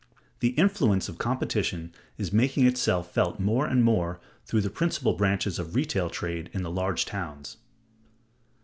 The influence of competition is making itself felt more and more through the principal branches of retail trade in the large towns.